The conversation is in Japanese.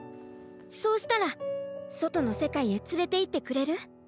そうしたらそとのせかいへつれていってくれる？